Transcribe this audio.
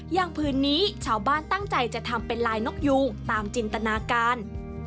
อย่างผืนนี้ชาวบ้านตั้งใจจะทำเป็นลายนกยูงตามจินตนาการ